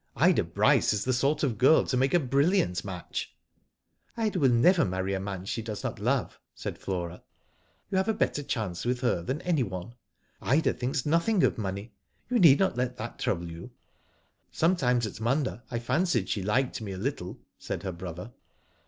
Ida Bryce is the sort of girl to make a brilliant match/' '*Ida will never marry a man she does not love," said Flora. " You have a better chance with her than anyone. Ida thinks nothing of money. You need not let that trouble you." " Sometimes at Munda I fancied she liked me a little," said her brother.